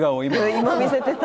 今見せてた！